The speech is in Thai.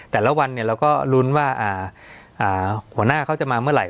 แต่ละวันเราก็ลุ้นว่าหัวหน้าเขาจะมาเมื่อไห